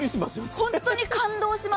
本当に感動します。